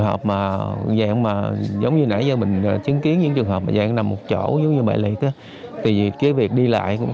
hợp giống như nãy giờ mình chứng kiến những trường hợp nằm một chỗ giống như bại lì việc đi lại cũng